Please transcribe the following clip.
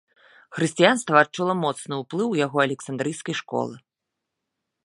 Хрысціянства адчула моцны ўплыў яго александрыйскай школы.